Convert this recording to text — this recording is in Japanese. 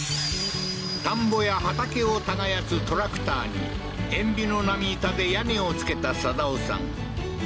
田んぼや畑を耕すトラクターに塩ビの波板で屋根を付けた定夫さん